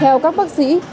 theo các bác sĩ